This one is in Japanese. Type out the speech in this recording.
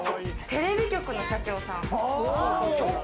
テレビ局の社長さん。